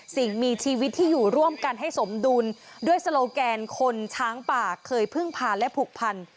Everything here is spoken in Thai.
สิ่งมีชีวิตที่อยู่ร่วมกันให้สมดุลด้วยโซโลแกนคนช้างป่าเคยพึ่งพาและผูกพัน